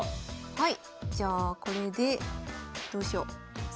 はい。